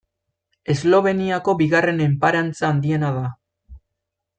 Esloveniako bigarren enparantza handiena da.